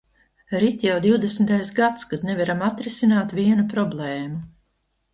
Rit jau divdesmitais gads, kad nevaram atrisināt vienu problēmu.